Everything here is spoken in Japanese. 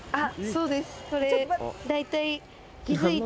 そうです